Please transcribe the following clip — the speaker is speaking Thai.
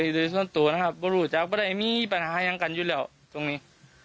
โดยส่วนตัวนะครับก็รู้จักไม่ได้มีปัญหายังกันอยู่แล้วตรงนี้